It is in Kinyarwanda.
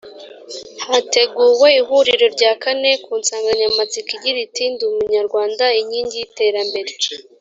hateguwe ihuriro rya kane ku nsanganyamatsiko igira iti ndi umunyarwanda inkingi y’iterambere